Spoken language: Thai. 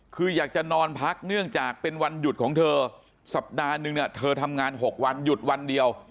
คืออยากจะนอนพักเนื่องจากเป็นวันหยุดของเธอสัปดาห์นึงเนี่ยเธอทำงาน๖วันหยุดวันเดียว